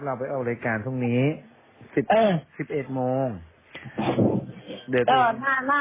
หน้าเราน่าจะไปใช่ไหม